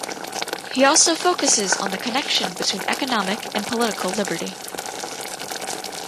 He also focuses on the connection between economic and political liberty.